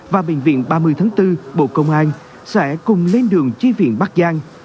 và bệnh viện ba mươi tháng bốn bộ công an sẽ cùng lên đường chi viện bắc giang